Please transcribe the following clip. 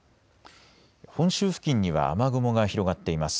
本州付近には雨雲が広がっています。